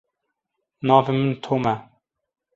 Navê min Tom e.